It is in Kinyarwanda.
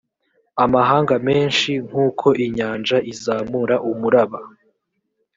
amahanga menshi nk uko inyanja izamura umuraba